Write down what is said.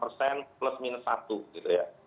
maksudnya kita harus mencari yang lebih tinggi dari satu satu